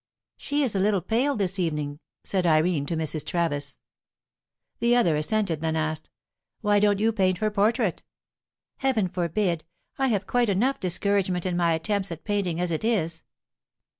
"She is a little pale this evening," said Irene to Mrs. Travis. The other assented; then asked: "Why don't you paint her portrait?" "Heaven forbid! I have quite enough discouragement in my attempts at painting, as it is."